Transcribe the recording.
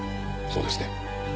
そうですね？